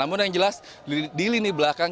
namun yang jelas di lini belakang